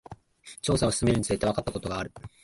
調査を進めるにつれて、わかったことがある。